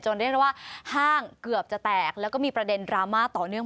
เรียกได้ว่าห้างเกือบจะแตกแล้วก็มีประเด็นดราม่าต่อเนื่อง